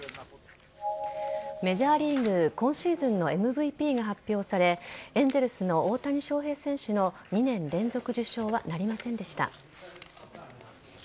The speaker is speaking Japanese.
メジャーリーグ今シーズンのＭＶＰが発表されエンゼルスの大谷翔平選手の２年連続受賞はなりませんでした。